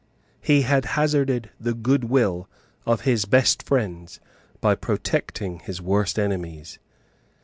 He had hazarded the good will of his best friends by protecting his worst enemies.